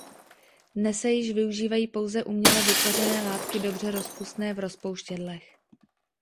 Dnes se již využívají pouze uměle vytvořené látky dobře rozpustné v rozpouštědlech.